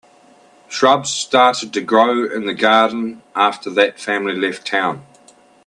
Shrubs started to grow in the garden after that family left town.